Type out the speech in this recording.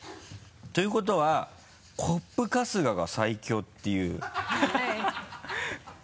ということはコップ・春日が最強っていう。